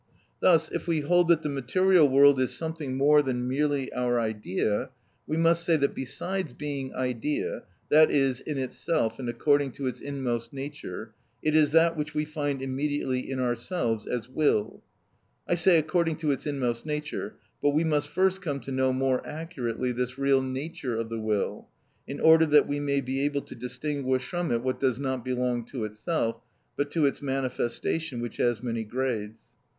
Thus if we hold that the material world is something more than merely our idea, we must say that besides being idea, that is, in itself and according to its inmost nature, it is that which we find immediately in ourselves as will. I say according to its inmost nature; but we must first come to know more accurately this real nature of the will, in order that we may be able to distinguish from it what does not belong to itself, but to its manifestation, which has many grades.